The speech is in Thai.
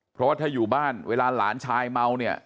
เพราะว่าถ้าอยู่บ้านเวลาหลานชายเมาเนี่ย